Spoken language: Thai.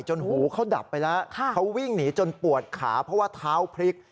หูเขาดับไปแล้วเขาวิ่งหนีจนปวดขาเพราะว่าเท้าพลิก